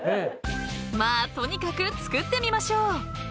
［まあとにかく作ってみましょう］